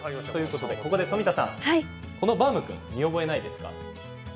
ここで富田さん、このバウム君に見覚えないですか？